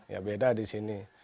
ya beda di sini